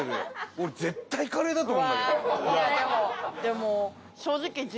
俺絶対カレーだと思うんだけど。